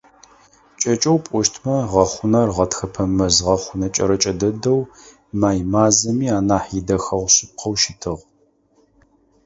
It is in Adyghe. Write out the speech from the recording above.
КӀэкӀэу пӀощтмэ, гъэхъунэр гъэтхэпэ мэз гъэхъунэ кӀэрэкӀэ дэдэу, май мазэми анахь идэхэгъу шъыпкъэу щытыгъ.